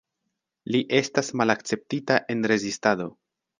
Li estas malakceptita en rezistado.